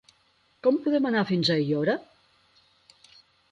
Com podem anar fins a Aiora?